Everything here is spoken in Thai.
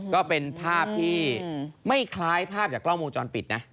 ก็เป็นภาพที่ไม่คล้ายภาพจากกล้องวงจรปิดนะ